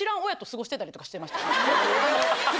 過ごしてたりとかしてました。